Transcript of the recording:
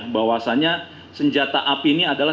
bahwasannya senjata api ini adalah